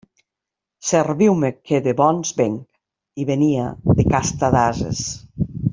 Serviu-me que de bons vénc... i venia de casta d'ases.